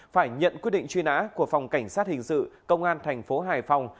phải nhận quyết định truy nã của phòng cảnh sát hình sự công an thành phố hải phòng